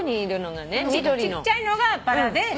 ちっちゃいのがバラで。